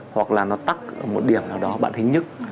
hoặc là nó tắt ở một điểm nào đó bạn thấy nhức